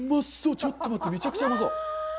ちょっと待って、めちゃくちゃうまそう！